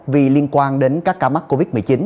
vì liên quan đến các ca mắc covid một mươi chín